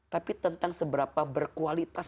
tapi tentang seberapa berkualitas